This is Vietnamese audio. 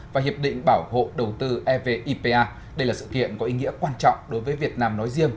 và hiệp định bảo hộ đầu tư evipa đây là sự kiện có ý nghĩa quan trọng đối với việt nam nói riêng